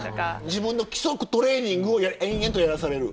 自分の基礎トレーニングを永遠とやらされる。